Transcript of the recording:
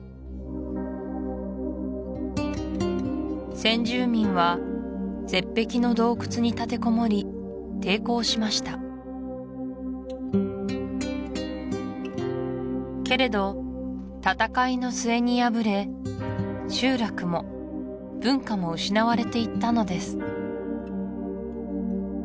先住民は絶壁の洞窟に立てこもり抵抗しましたけれど戦いの末に敗れ集落も文化も失われていったのです